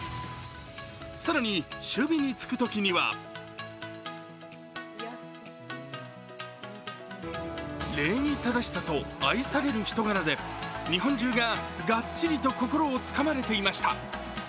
更に守備につくときには礼儀正しさと愛される人柄で日本中がガッチリと心をつかまれていました。